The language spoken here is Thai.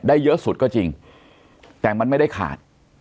เยอะสุดก็จริงแต่มันไม่ได้ขาด